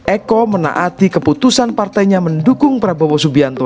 eko menaati keputusan partainya mendukung prabowo subianto